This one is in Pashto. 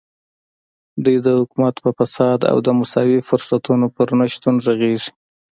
دوی د حکومت په فساد او د مساوي فرصتونو پر نشتون غږېږي.